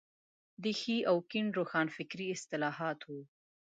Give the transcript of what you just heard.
د ښي او کيڼ روښانفکري اصطلاحات وو.